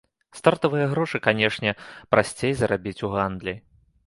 Стартавыя грошы, канечне, прасцей зарабіць у гандлі.